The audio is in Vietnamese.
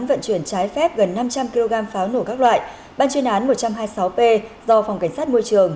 vận chuyển trái phép gần năm trăm linh kg pháo nổ các loại ban chuyên án một trăm hai mươi sáu p do phòng cảnh sát môi trường